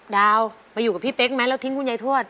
ดาวไปอยู่กับพี่เป๊กไหมแล้วทิ้งคุณยายทวด